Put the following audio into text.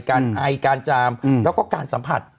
การอายการจ่ามเราก็การสัมผัส